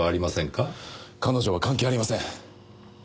彼女は関係ありません！